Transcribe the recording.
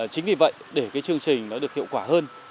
chính vì vậy để cái chương trình nó được hiệu quả hơn